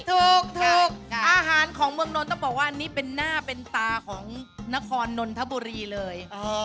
ถูกอาหารของเมืองนนท์ต้องบอกว่านี่เป็นหน้าเป็นตาของนครนนทบุรีเลย